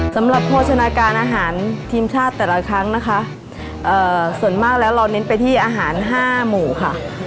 โภชนาการอาหารทีมชาติแต่ละครั้งนะคะส่วนมากแล้วเราเน้นไปที่อาหาร๕หมู่ค่ะ